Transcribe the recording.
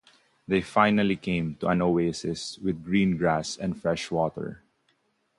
They finally came to an oasis with green grass and fresh water.